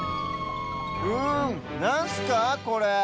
うんなんすかこれ？